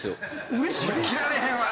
うれしい？着られへんわ！